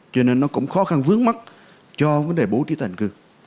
cho nên nó cũng khó khăn vướng mắt cho vấn đề bố trí tài hành cư